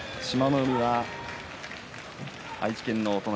海は愛知県のお隣